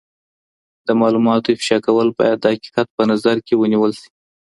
د معلوماتو افشا کول باید د حقیقت په نظر کي ونیول سي.